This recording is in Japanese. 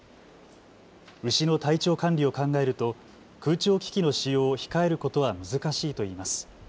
牛の体調管理を考えると空調機器の使用を控えることは難しいといいます。